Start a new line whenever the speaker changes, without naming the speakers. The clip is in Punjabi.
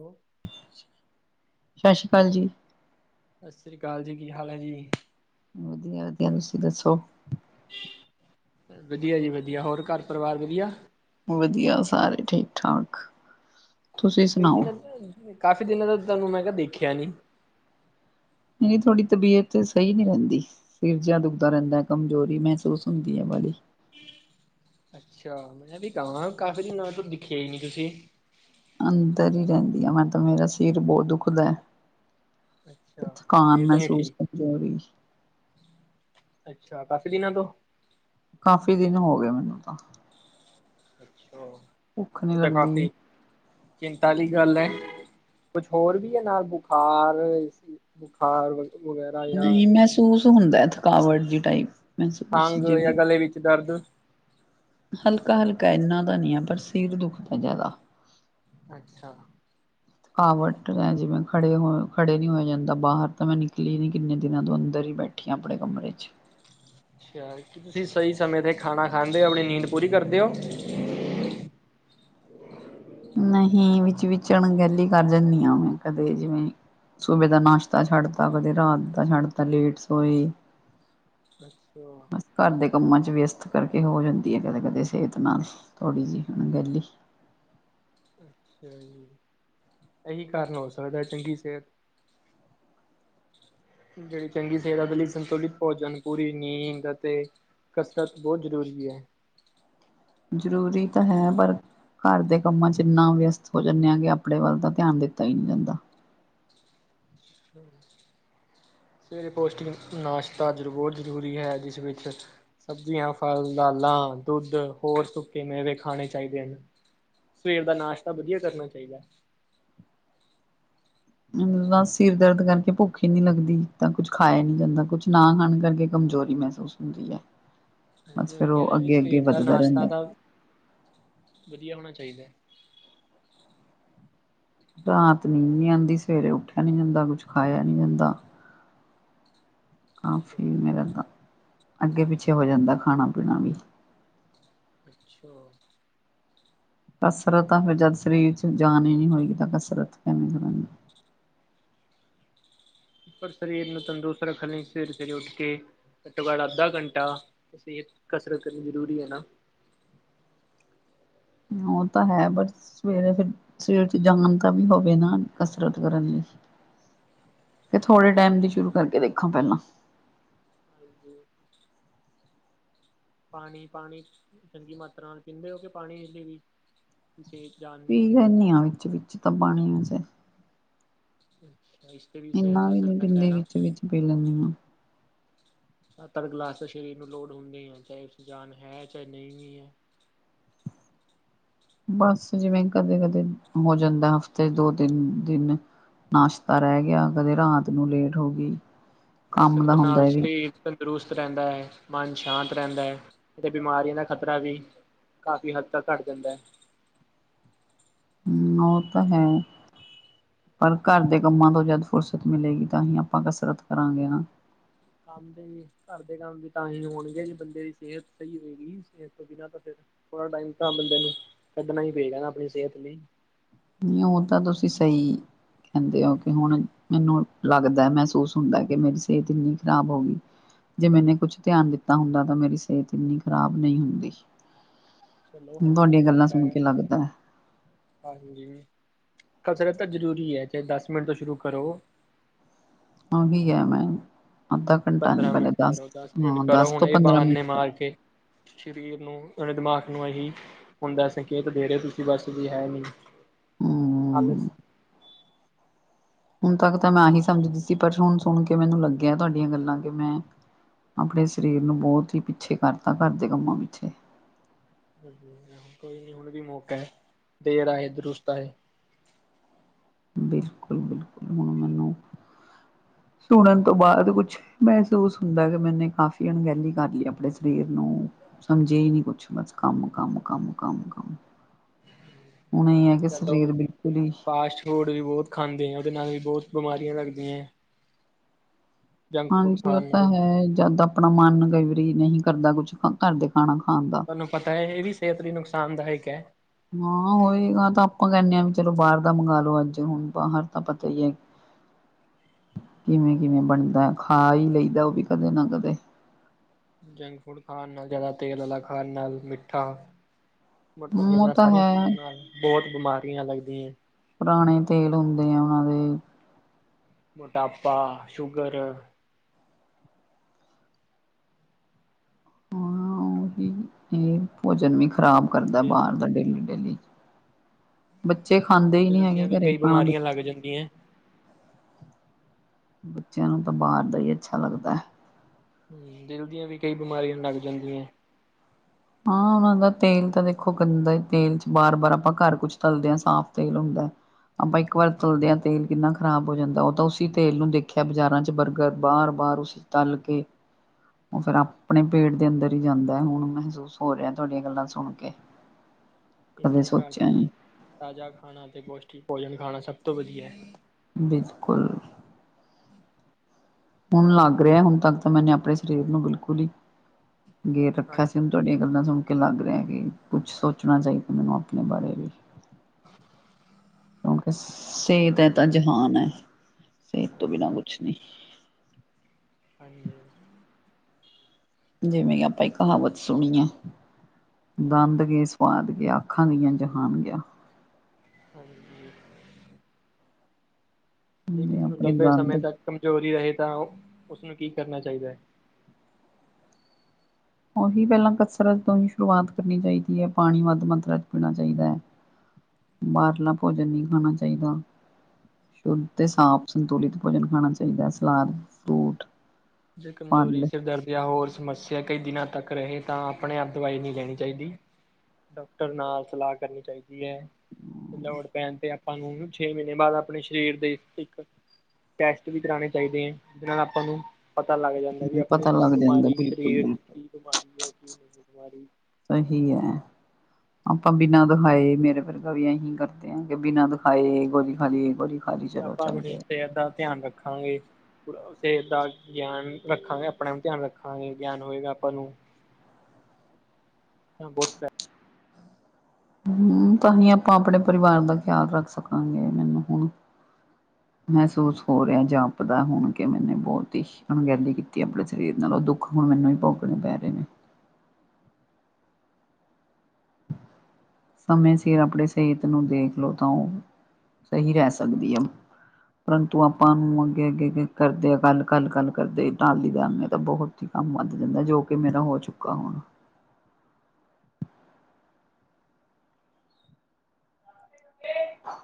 ਹੌਰ
ਸਤਿ ਸ੍ਰੀ ਅਕਾਲ ਜੀ।
ਸਤਿ ਸ਼੍ਰੀ ਅਕਾਲ ਜੀ ਕੀ ਹਾਲ ਹੈ ਜੀ।
ਵਧੀਆ ਵਧੀਆ ਤੁਸੀਂ ਦੱਸੋ।
ਵਧੀਆ ਜੀ ਵਧੀਆ ਹੋਰ ਘਰ ਪਰਿਵਾਰ ਵਧੀਆ।
ਵਧੀਆ ਸਾਰੇ ਠੀਕ ਠਾਕ। ਤੁਸੀਂ
ਕਈ
ਸੁਣਾਓ?
ਦਿਨਾਂ ਦਾ ਕਾਫੀ ਦਿਨਾਂ ਦਾ ਤੁਹਾਨੂੰ ਮੈਂ ਕਿਹਾ ਦੇਖਿਆ ਨੀ।
ਨਹੀਂ ਤੁਹਾਡੀ ਤਬੀਅਤ ਸਹੀ ਨਹੀਂ ਰਹਿੰਦੀ। ਸਿਰ ਜਿਹਾ ਦੁਖਦਾ ਰਹਿੰਦਾ ਹੈ, ਕਮਜ਼ੋਰੀ ਮਹਿਸੂਸ ਹੁੰਦੀ ਹੈ ਭਾਜੀ।
ਅੱਛਾ ਮੈਂ ਵੀ ਕਵਾਂ ਕਾਫੀ ਦਿਨਾਂ ਦਿਖਿਆ ਹੀ ਨੀ ਤੁਸੀਂ।
ਅੰਦਰ ਹੀ ਰਹਿੰਦੀ ਆ ਮੈਂ ਤਾਂ ਮੇਰਾ ਸਿਰ ਬਹੁਤ ਦੁਖਦਾ ਹੈ। ਤੇ
ਅੱਛਾ
ਥਕਾਨ
ਸਿਹਤ ਨੀ
ਮਹਿਸੂਸ
ਠੀਕ
ਕਮਮੋਰੀ‌।
ਅੱਛਾ ਕਾਫੀ ਦਿਨਾਂ ਤੋਂ?
ਕਾਫੀ ਦਿਨ ਹੋ ਗਏ ਮੈਨੂੰ ਤਾਂ।
ਅੱਛਾ
ਭੁੱਖ ਨੀ
ਇਹ ਤਾਂ
ਲੱਗਦੀ।
ਕਾਫ਼ੀ ਚਿੰਤਾੀ ਗੱਲ ਹੈ। ਕੁਛ ਹੋਰ ਵੀ ਹੈ ਨਾਲ ਬੁਖਾਰ ਬੁਖਾਰ‍
ਨਹੀਂ ਮਹਿਸੂਸ ਹੁੰਦਾ ਥਕਾਵਟ ਜਾ ਟਾਈਪ ਮਹਿਸੂਸ
ਖੰਗ ਜਾਂ
ਜਿਵੇਂ
ਗਲੇ ਵਿੱਚ ਦਰਦ?
ਹਲਕਾ ਹਲਕਾ ਇਨਾ ਦਾ ਨਹੀਂ ਹੈ ਪਰ ਸਿਰ ਦੁੱਖ ਦਾ ਜ਼ਿਆਦਾ।
ਅੱਛਾ।
ਥਕਾਵਟ ਹੈ ਜਿਵੇਂ ਖੜੇ ਹੋ ਖੜੇ ਨਹੀਂ ਹੋ ਜਾਂਦਾ ਬਾਹਰ। ਤਾਂ ਮੈਂ ਨਿਕਲੀ ਨਹੀਂ ਕਿੰਨੇ ਦਿਨਾਂ ਤੋਂ ਅੰਦਰ ਹੀ ਬੈਠੀਂ ਆਪਣੇ ਕਮਰੇ 'ਚ।
ਅੱਛਾ ਕੀ ਤੁਸੀਂ ਸਹੀ ਸਮੇਂ 'ਤੇ ਖਾਣਾ ਖਾਂਦੇ ਹੋ ਆਪਣੀ ਨੀਂਦ ਪੂਰੀ ਕਰਦੇ ਹੋ?
ਨਹੀਂ ਵਿਚ ਵਿਚਣ ਅਂਗਹਿਲੀ ਕਰ ਜਾਂਦੀ ਹਾਂ ਮੈਂ ਕਦੇ ਜਿਵੇਂ ਸਹੁਬੇ ਦਾ ਨਾਸ਼ਤਾ
ਅੱਛਾ
ਛੱਡਤਾ ਕਦੇ ਰਾਤ ਦਾ ਛੱਡਤਾ ਲੇਟ ਸੋੲ
ਅੱਛਾ।
ਘਰ ਦੇ ਕੰਮਾਂ ਚ ਵਿਅਸਤ ਕਰਕੇ ਹੋ ਜਾਂਦੀ ਹੈ ਕਦੇ ਕਦੇ ਸਿਹਤ ਨਾਲ ਥੋੜ੍ਹੀ ਜਿਹੀ ਹੁਣ ਗਹਿਲੀ।
ਅੱਛਾ ਜੀ ਇਹੀ ਕਾਰਨ ਹੋ ਸਕਦਾ ਚੰਗੀ ਸਿਹਤ ਜਿਹੜੀ ਚੰਗੀ ਸਿਹਤ ਦੇ ਲਈ ਸੰਤੁਲਿਤ ਭੋਜਨ ਪੂਰੀ ਨਹੀਂ ਤੇ ਕਸਰਤ ਬਹੁਤ ਜ਼ਰੂਰੀ ਹੈ।
ਜ਼ਰੂਰੀ ਤਾਂ ਹੈ। ਪਰ ਘਰ ਦੇ ਕੰਮਾਂ ਚ ਇੰਨਾ ਵਿਅਸਤ ਹੋ ਜਾਂਦੇ ਆ ਕਿ ਆਪਣੇ ਵੱਲ ਤਾਂ ਧਿਆਨ ਦਿੱਤਾ ਹੀ ਨਹੀਂ ਜਾਂਦਾ।
ਹਮ। ਸਵੇਰੇ ਪੌਸ਼ਟਿਕ ਨਾਸ਼ਤਾ ਬਹੁਤ ਜ਼ਰੂਰੀ ਹੈ। ਜਿਸ ਵਿੱਚ ਸਬਜ਼ੀਆਂ, ਫਲ, ਦਾਲਾਂ, ਦੁੱਧ ਹੋਰ ਸੁੱਕੇ ਮੇਵੇ ਖਾਣੇ ਚਾਹੀਦੇ ਹਨ। ਸਵੇਰ ਦਾ ਨਾਸ਼ਤਾ ਵਧੀਆ ਕਰਨਾ ਚਾਹੀਦਾ।
ਇਹਨਾ ਸਿਰ ਦਰਦ ਕਰਕੇ ਭੁੱਖ ਹੀ ਨੀ ਲੱਗਦੀ ਤਾਂ ਕੁੱਛ ਖਾਇਆ ਨੀ ਜਾਂਦਾ ਕੁਛ ਨਾ ਖਾਣ ਕਰਕੇ ਕਮਜ਼ੋਰੀ ਮੈਂ ਹੁੰਦੀ ਹੈ। ਬਸ
ਹਾਂਜੀ ਉਹੀ
ਫੇਰ
ਕਹਿ
ਉਹ
ਰਹੇ ਵੀ
ਅੱਗੇ ਅੱਗੇ
ਸਵੇਰ ਦਾ
ਵੱਧਦਾ
ਨਾਸ਼ਤਾ
ਰਹਿੰਦਾ
ਤਾਂ ਵਧੀਆ ਹੋਣਾ ਚਾਹੀਦਾ ਹੈ।
ਰਾਤ ਨੀਂਦ ਨੀ ਆਉਂਦੀ, ਸਵੇਰੇ ਉੱਠਿਆ ਨੀ ਜਾਂਦਾ, ਕੁਛ ਖਾਇਆ ਨੀ ਜਾਂਦਾ। ਕਾਫੀ ਮੇਰਾ ਤਾਂ ਅੱਗੇ ਪਿੱਛੇ ਹੋ ਜਾਂਦਾ ਖਾਣਾ ਪੀਣਾ ਵੀ।
ਅੱਛਾ।
ਕਸਰਤ ਤਾਂ ਫਿਰ ਜਦ ਸਰੀਰ ਚ ਜਾਨ ਹੀ ਨੀ ਹੋਏਗੀ ਤਾਂ ਕਸਰਤ ਕਿਵੇਂ ਕਰਾਂਗੀ।
ਪਰ ਸਰੀਰ ਨੂੰ ਤੰਦਰੁਸਤ ਰੱਖਣ ਲਈ ਸਵੇਰੀ-ਸਵੇਰੀ ਉੱਠ ਕੇ ਘੱਟੋ-ਘੱਟ ਅੱਧਾ ਘੰਟਾ ਉਸੀ ਕਸਰਤ ਕਰਨੀ ਜ਼ਰੂਰੀ ਐ ਨਾ।
ਓ ਤਾਂ ਹੈ ਬਸ। ਸਵੇਰੇ ਫਿਰ ਸਵੇਰ 'ਚ ਜਮਨਮ ਕਾ ਵੀ ਹੋਵੇ ਨਾ ਕਸਰਤ ਕਰਨ ਲਈ। ਕੇ ਥੋੜ੍ਹੇ ਟਾਈਮ ਦੀ ਸ਼ੁਰੂ ਕਰਕੇ ਦੇਖਾ ਪਹਿਲਾਂ।
ਹਾਂਜੀ। ਪਾਣੀ-ਪਾਣੀ ਚੰਗੀ ਮਾਤਰਾ ਨਾ ਪੀਂਦੇ ਓ ਕੇ ਪਾਣੀ ਨੇ ਵੀ ਜੀ ਜਾਣ
ਪੀ ਲੈਣੀ ਆ‌ ਵਿੱਚ-ਵਿੱਚ ਤਾਂ ਪਾਣੀ ਵੈਸੇ।
[inaudible]
ਇੰਨਾ
ਦਾ
ਵੀ
ਅਸਰ
ਨੀ
ਪੈਂਦਾ ਹੈ
ਪੀਂਦੀ
ਨਾ
ਵਿੱਚ-ਵਿੱਚ ਪੀ ਲੈਂਨੀ ਆ‌।
ਸੱਤ-ਅੱਠ ਗਲਾਸ ਤਾ ਸਰੀਰ ਨੂੰ ਲੋਡ ਹੁੰਦੀ ਐ ਚਾਹੇ ਉਸ 'ਚ ਜਾਨ ਹੈ ਚਾਏ ਨਈ ਵੀ ਐ।
ਬਸ ਜਿਵੇਂ ਕਦੇ-ਕਦੇ ਹੋ ਜਾਂਦਾ ਹਫ਼ਤੇ ਦੋ-ਤਿੰਨ ਦਿਨ ਨਾਸ਼ਤਾ ਰਹਿ ਗਿਆ, ਕਦੇ ਰਾਤ ਨੂੰ ਲੇਟ ਹੋਗੀ।
ਕਸਰਤ ਨਾਲ ਸਰੀ ਤੰਦਰੁਸਤ ਰਹਿੰਦਾ ਐ, ਮਨ ਸ਼ਾਂਤ ਰਹਿੰਦਾ 'ਤੇ ਬਿਮਾਰੀਆਂ ਦਾ ਖ਼ਤਰਾ ਵੀ ਕਾਫ਼ੀ ਹੱਦ ਤੱਕ ਘੱਟ ਜਾਂਦਾ ਐ।
ਹੂੰ ਨੋ ਤਾਂ ਹੈ। ਪਰ ਘਰ ਦੇ ਕੰਮਾਂ ਤੋਂ ਜਦ ਫੁਰਸਤ ਮਿਲੇਗੀ ਤਾਂ ਹੀ ਆਪਾਂ ਕਸਰਤ ਕਰਾਂਗੇ ਨਾ।
ਕੰਮ ਵੀ ਘਰ ਦੇ ਕੰਮ ਵੀ ਤਾਂ ਹੀ ਹੋਣਗੇ ਜੀ ਬੰਦੇ ਦੀ ਸੇਹਤ ਸਈ ਹੋਏਗੀ ਸੇਤ ਤੋਂ ਬਿਨਾਂ ਤਾਂ ਫਿਰ ਥੋੜਾ ਟਾਈਮ ਤਾਂ ਬੰਦੇ ਨੂੰ ਕੱਢਣਾ ਈ ਪਏਗਾ ਨਾ ਆਪਣੀ ਸੇਅਤ ਲਈ।
ਨੀ ਓ ਤਾਂ ਤੁਸੀਂ ਸਈ ਕਹਿੰਦੇ ਓ ਕਿ ਹੁਣ ਮੈਨੂੰ ਲੱਗਦਾ ਮਹਿਸੂਸ ਹੁੰਦਾ ਕਿ ਮੇਰੀ ਸੇਤ ਇੰਨੀ ਖ਼ਰਾਬ ਹੋਗੀ। ਜੇ ਮੈਨੇ ਕੁਛ ਧਿਆਨ ਦਿੱਤਾ ਹੁੰਦਾ ਤਾਂ ਮੇਰੀ ਸੇਤ ਇੰਨੀ ਖ਼ਰਾਬ ਨਈ ਹੁੰਦੀ।
ਚਲੋ ਹਜੇ ਵੀ
ਤੁਹਾਡੀਆਂ ਗੱਲਾਂ
ਮੌਕਾ
ਸੁਣ
ਹੈ
ਕੇ ਲੱਗਦਾ ਐ।
ਹਾਂਜੀ, ਕਸਰਤ ਤਾਂ ਜ਼ਰੂਰੀ ਐ ਚਾਹੇ ਦਸ ਮਿੰਟ ਤੋਂ ਸ਼ੁਰੂ ਕਰੋ।
ਓ ਵੀ ਐ ਮੈਂ। ਅੱਧਾ ਘੰਟਾ ਨੀ
ਪੰਦਰਾਂ
ਪਹਿਲੇ
ਮਿੰਟ ਕਰੋ, ਦਸ ਮਿੰਟ
ਹਾਂ
ਕਰੋ
ਦਸ ਤੋਂ
ਹੁਣੇ
ਪੰਦਰਾਂ
ਬਹਾਨੇ
ਮਿੰਟ
ਮਾਰ ਕੇ ਸਰੀਰ ਨੂੰ ਹੁਣੇ ਦਿਮਾਗ ਨੂੰ ਅਹੀ ਹੁੰਦਾ ਸੰਕੇਤ ਦੇ ਰੇ ਓ ਤੁਸੀਂ ਬਸ ਵੀ ਹੈ ਨੀ, ਆ ਲੋ।
ਹਮ ਹੁਣ ਤੱਕ ਤਾਂ ਮੈਂ ਆ ਹੀ ਸਮਝਦੀ ਸੀ ਪਰ ਹੁਣ ਸੁਣ ਕੇ ਮੈਨੂੰ ਲੱਗਿਆ ਤੁਹਾਡੀਆਂ ਗੱਲਾਂ ਕੇ ਮੈਂ ਆਪਣੇ ਸਰੀਰ ਨੂੰ ਬੋਤ ਹੀ ਪਿੱਛੇ ਕਰਤਾ ਘਰ ਦੇ ਕੰਮਾਂ ਪਿੱਛੇ।
ਹਾਂਜੀ ਕੋਈ ਨੀ ਹੁਣ ਵੀ ਮੌਕਾ ਐ, ਦੇਰ ਆਏ, ਦਰੁਸਤ ਆਏ।
ਬਿਲਕੁੱਲ-ਬਿਲਕੁੱਲ ਹੁਣ ਮੈਨੂੰ, ਸੁਣਨ ਤੋਂ ਬਾਅਦ ਕੁਛ ਮਹਿਸੂਸ ਹੁੰਦਾ ਕੇ ਮੈਨੇ ਕਾਫ਼ੀ ਅਣਗਹਿਲੀ ਕਰ ਲੀ ਆਪਣੇ ਸਰੀਰ ਨੂੰ। ਸਮਝੇ ਈ ਨੀ ਕੁੱਛ ਬਸ ਕੰਮ-ਕੰਮ-ਕੰਮ-ਕੰਮ-ਕੰਮ।
ਅੱਜ-ਕੱਲ
ਸਰੀਰ
ਲੋਕ,
ਬਿਲਕੁਲ ਹੀ
ਫਾਸਟ ਫੂਡ ਵੀ ਬੋਤ ਖਾਂਦੇ ਐ ਉਦੇ ਨਾਲ ਵੀ ਬੋਤ ਬਿਮਾਰੀਆਂ ਲੱਗਦੀਆਂ ਐ।
ਹਾਂਜੀ ਓ
ਖਾਣ
ਤਾਂ
ਨਾਲ
ਹੈ ਜਦ ਆਪਣਾ ਮਨ ਕਈ ਵਾਰੀ ਨਹੀਂ ਕਰਦਾ ਕੁਛ ਘਰ ਦੇ ਖਾਣਾ ਖਾਣ ਦਾ।
ਨੂੰ ਪਤਾ ਐ ਏ ਵੀ ਸਿਹਤ ਲਈ ਨੁਕਸਾਨਦਾਇਕ ਐ।
ਹਾਂ ਹੋਏਗਾ ਤਾਂ ਆਪਾਂ ਕਹਿੰਨੇ ਆ ਵੀ ਚਲੋ ਬਾਰ ਦਾ ਮੰਗਾਲੋ ਅੱਜ ਹੁਣ ਬਾਹਰ ਤਾਂ ਪਤਾ ਈ ਐ। ਕਿਵੇਂ-ਕਿਵੇਂ ਬਣਦਾ ਖਾ ਈ ਲਈਦਾ ਓ ਵੀ ਕਦੇ ਨਾ ਕਦੇ।
ਜੰਕ ਫੂਡ ਖਾਣ ਨਾਲ, ਜ਼ਿਆਦਾ ਤੇਲ ਆਲਾ ਖਾਣ ਨਾਲ, ਮਿੱਠਾ ਬਟ
ਹਮ ਉਹ
ਹੇਨਾਂ
ਤਾਂ
ਸਾਰੀਆਂ
ਹੈ
ਚੀਜ਼ਾਂ ਨਾਲ ਬੋਤ ਬਿਮਾਰੀਆਂ ਲੱਗਦੀਆਂ।
ਪੁਰਾਣੇ ਤੇਲ ਹੁੰਦੇ ਆ ਉਹਨਾਂ ਦੇ।
ਮੋਟਾਪਾ, ਸ਼ੂਗਰ
ਹਾਂ ਇਹ ਭੋਜਨ ਵੀ ਖ਼ਰਾਬ ਕਰਦਾ
ਦਿਲ
ਬਾਹਰ ਦਾ ਡੇਲੀ- ਡੇਲੀ ਬੱਚੇ ਖਾਂਦੇ ਹੀ ਨਹੀਂ
ਦਿਲ
ਹੈਗੇ
ਦੀਆਂ ਵੀ
ਘਰੇ
ਕਈ
ਖਾਣਾ
ਬਿਮਾਰੀਆਂ ਲੱਗ ਜਾਂਦੀਆਂ।
ਬੱਚਿਆਂ ਨੂੰ ਤਾਂ ਬਾਹਰ ਦਾ ਹੀ ਅੱਛਾ ਲੱਗਦਾ ਹੈ।
ਹਮ, ਦਿਲ ਦੀਆਂ ਵੀ ਕਈ ਬਿਮਾਰੀਆਂ ਲੱਗ ਜਾਂਦੀਆਂ ਏ।
ਹਾਂ ਉਹਨਾਂ ਦਾ ਤੇਲ ਤਾਂ ਦੇਖੋ ਗੰਦਾ ਤੇਲ ਚ ਬਾਰ, ਬਾਰ ਆਪਾਂ ਘਰ ਕੁਛ ਤਲਦੇ ਹਾਂ ਸਾਫ਼ ਤੇਲ ਹੁੰਦਾ। ਆਪਾਂ ਇੱਕ ਵਾਰ ਤਲਦੇ ਆਂ ਤੇਲ ਕਿੰਨਾ ਖ਼ਰਾਬ ਹੋ ਜਾਂਦਾ, ਉਹ ਤਾਂ ਉਸੀ ਤੇਲ ਨੂੰ ਦੇਖਿਆ ਬਾਜ਼ਾਰਾਂ ਚ ਬਰਗਰ ਬਾਰ -ਬਾਰ ਉਸੀ ਤਲ ਕੇ ਉਹ ਫੇਰ ਆਪਣੇ ਪੇਟ ਦੇ ਅੰਦਰ ਹੀ ਜਾਂਦਾ ਹੈ। ਹੁਣ ਮਹਿਸੂਸ ਹੋ ਰਿਹਾ ਤੁਹਾਡੀਆਂ ਗੱਲਾਂ ਸੁਣ ਕੇ।
ਇਸ
ਕਦੇ
ਲਈ ਘਰ
ਸੋਚਿਆ
ਦਾ
ਨੀ
ਤਾਜ਼ਾ ਖਾਣਾ ਤੇ ਪੌਸ਼ਟਿਕ ਭੋਜਨ ਖਾਣਾ ਸਭ ਤੋਂ ਵਧੀਆ ਹੈ।
ਬਿਲਕੁਲ। ਹੁਣ ਲੱਗ ਰਿਹਾ ਹੁਣ ਤੱਕ ਤਾਂ ਮੈਨੇ ਆਪਣੇ ਸਰੀਰ ਨੂੰ ਬਿਲਕੁਲ ਹੀ, ਗੇਰ ਰੱਖਿਆ
ਹਾਂਜੀ
ਸੀ। ਤੁਹਾਡੀਆਂ ਗੱਲਾਂ ਸੁਣ ਕੇ ਲੱਗ ਰਿਹਾ ਕਿ ਕੁਛ ਸੋਚਣਾ ਚਾਹੀਦਾ। ਮੈਨੂੰ ਆਪਣੇ ਬਾਰੇ ਵੀ।
ਹੂੰ।
ਕਿਉਂਕਿ ਸਿਹਤ ਹੈ ਤਾਂ ਜਹਾਨ ਹੈ। ਸਿਹਤ ਤੋਂ ਬਿਨਾਂ
ਹਾਂਜੀ
ਕੁਛ ਨਹੀਂ।
ਹਾਂਜੀ, ਹਾਂਜੀ।
ਜਿਵੇਂ ਕਿ ਆਪਾਂ ਇਹ ਕਹਾਵਤ ਸੁਣੀ ਆ ਦੰਦ ਗਏ ਸੁਵਾਦ ਗਿਆ, ਅੱਖਾਂ ਗਈਆਂ ਜਹਾਨ ਗਿਆ।
ਹਾਂਜੀ। ਜੇ
ਤੇ
ਕਿਸੇ ਨੂੰ
ਆਪਣੇ
ਲੰਬੇ
ਦੰਦ
ਸਮੇਂ ਤੱਕ ਕਮਜ਼ੋਰੀ ਰਹੇ ਤਾਂ, ਉਸਨੂੰ ਕੀ ਕਰਨਾ ਚਾਹੀਦਾ ਹੈ?
ਉਹੀ ਪਹਿਲਾਂ ਕਸਰਤ ਤੋਂ ਹੀ ਸ਼ੁਰੂਆਤ ਕਰਨੀ ਚਾਹੀਦੀ ਹੈ, ਪਾਣੀ ਵੱਧ ਮਾਤਰਾ 'ਚ ਪੀਣਾ ਚਾਹੀਦਾ ਹੈ। ਬਾਹਰਲਾ ਭੋਜਨ ਨਹੀਂ ਖਾਣਾ ਚਾਹੀਦਾ। ਦੁੱਧ ਤੇ ਸਾਫ਼, -ਸੰਤੁਲਿਤ ਭੋਜਨ ਖਾਣਾ ਚਾਹੀਦਾ ਹੈ। ਸਲਾਦ, ਫਰੂਟ
ਜੇ ਕਮਜ਼ੋਰੀ,
ਫਲ
ਸਿਰ ਦਰਦ ਜਾਂ ਹੋਰ ਸਮੱਸਿਆ ਕਈ ਦਿਨਾਂ ਤੱਕ ਰਹੇ ਤਾਂ ਆਪਣੇ ਆਪ ਦਵਾਈ ਨਹੀਂ ਲੈਣੀ ਚਾਹੀਦੀ। ਡਾਕਟਰ ਨਾਲ ਸਲਾਹ ਕਰਨੀ ਚਾਹੀਦੀ ਹੈ। ਲੋੜ ਪੈਣ ਤੇ ਆਪਾਂ ਨੂੰ ਛੇ ਮਹੀਨੇ ਬਾਅਦ ਆਪਣੇ ਸਰੀਰ ਦੇ ਇੱਕ ਟੈਸਟ ਵੀ ਕਰਾਉਣੇ ਚਾਹੀਦੇ ਹੈ। ਜਿਨਾਂ ਨਾਲ ਆਪਾਂ ਨੂੰ ਪਤਾ ਲੱਗ ਜਾਂਦਾ ਵੀ ਆਪਾਂ ਨੂੰ
ਪਤਾ
ਕੀ
ਲੱਗ ਜਾਂਦਾ
ਬਿਮਾਰੀ
ਬਿਲਕੁਲ
ਸਰੀਰ ਚ
ਬਿਲਕੁਲ
ਕੀ ਬਿਮਾਰੀ ਹੈ ਕੀ ਨਹੀਂ ਬਿਮਾਰੀ।
ਸਹੀ ਹੈ। ਆਪਾਂ ਬਿਨਾਂ ਵਖਾਏ ਮੇਰੇ ਵਰਗਾ ਵੀ ਇਹੀ ਕਰਦੇ ਆ ਕਿ ਬਿਨਾਂ ਦਿਖਾਏ ਗੋਲੀ ਖਾ ਲਈਏ ਗੋਲੀ ਖਾ ਲਈ
ਫੇਰ
ਚਲੋ
ਆਪਾਂ
ਚੱਲ
ਆਪਣੀ
ਜਾਏ
ਸਿਹਤ ਦਾ ਧਿਆਨ ਰੱਖਾਂਗੇ ਪੂਰਾ ਸਿਹਤ ਦਾ ਗਿਆਨ ਰੱਖਾਂਗੇ। ਆਪਣਾ ਵੀ ਧਿਆਨ ਰੱਖਾਂਗੇ ਗਿਆਨ ਹੋਏਗਾ ਆਪਾਂ ਨੂੰ ਤਾਂ ਬੋਹੁਤ ਪ
ਹੂੰ, ਤਾਂ ਹੀ ਆਪਾਂ ਆਪਣੇ ਪਰਿਵਾਰ ਦਾ ਖਿਆਲ ਰੱਖ ਸਕਾਂਗੇ, ਮੈਨੂੰ ਹੁਣ ਮਹਿਸੂਸ ਹੋ ਰਿਹਾ ਜਾਪਦਾ ਹੁਣ ਕੇ ਮੈਨੇ ਬਹੁਤ ਹੀ ਅਣਗੈਲੀ ਕੀਤੀ ਆ ਆਪਣੇ ਸਰੀਰ ਨਾਲ ਔਹ ਦੁੱਖ ਹੁਣ ਮੈਨੂੰ ਹੀ ਭੋਗਣੇ ਪੈ ਰਹੇ ਨੇ। ਸਮੇਂ ਸਿਰ ਆਪਣੀ ਸਿਹਤ ਨੂੰ ਦੇਖਲੋ ਤਾਂ ਉਹ ਸਹੀ ਰਹਿ ਸਕਦੀ ਆ। ਪਰੰਤੂ ਆਪਾਂ ਨੂੰ ਅੱਗੇ, ਅੱਗੇ, ਅੱਗੇ ਕਰਦੇ ਹਾਂ ਕਲ, ਕੱਲ, ਕਲ ਕਰਦੇ ਇਹ ਟਾਲੀ ਜਾਂਦੇ ਨੇ ਬਹੁਤ ਕੰਮ ਵੱਧ ਜਾਂਦਾ ਜੋ ਕਿ ਮੇਰਾ ਹੋ ਚੁੱਕਾ ਹੁਣ। [unintelligible]